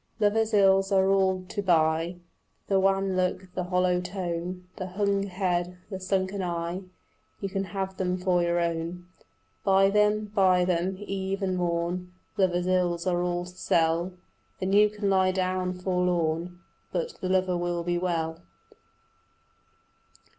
Lovers' ills are all to buy: The wan look, the hollow tone, The hung head, the sunken eye, You can have them for your own. Buy them, buy them: eve and morn Lovers' ills are all to sell. Then you can lie down forlorn; But the lover will be well.